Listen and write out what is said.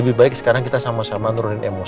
lebih baik sekarang kita sama sama nurunin emosi